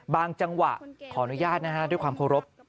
บางจังหวะขออนุญาตนะครับด้วยความโปรบ